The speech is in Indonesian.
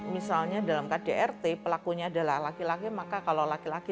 misalnya dalam kdrt pelakunya adalah laki laki maka kalau laki laki